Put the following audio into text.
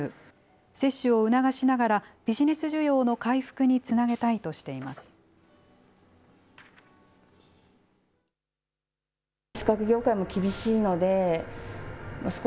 接種を促しながら、ビジネス需要の回復につなげたいとしています。